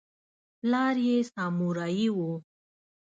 پلار یې سامورايي و.